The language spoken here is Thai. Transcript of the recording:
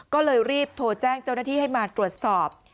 ก็เลยรีบโทรแจ้งเจ้าหน้าที่ให้มาตรวจสอบ